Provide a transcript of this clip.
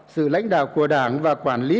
sự lãnh đạo của đảng và quản lý